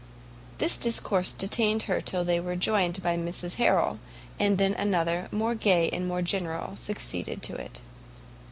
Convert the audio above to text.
This discourse detained her till they were joined by Mrs Harrel, and then another, more gay and more general succeeded to it.